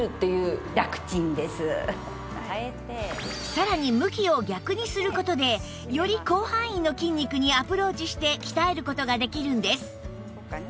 さらに向きを逆にする事でより広範囲の筋肉にアプローチして鍛える事ができるんです